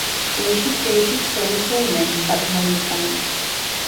Değişik değişik soru sormayın Fatmanur Hanım